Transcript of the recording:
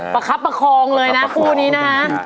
ประคับประคองเลยนะคู่นี้นะฮะ